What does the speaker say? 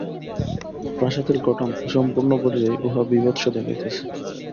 প্রাসাদের গঠন অসম্পূর্ণ বলিয়াই উহা বীভৎস দেখাইতেছে।